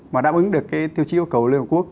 mà đáp ứng được cái tiêu chí yêu cầu của liên hợp quốc